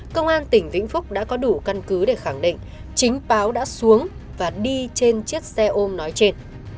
công an tỉnh vĩnh phúc đã có đủ căn cứ để khẳng định chính báo đã xuống và đi trên chiếc xe ôm nói trên